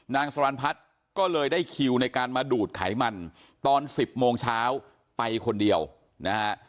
นางสรรพัฒน์ก็เลยได้คิวในการมาดูดไขมันตอน๑๐โมงเช้าไปคนเดียวนะฮะ